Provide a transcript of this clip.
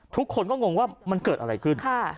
ทุกคนก็งงว่ามันเกิดอะไรขึ้น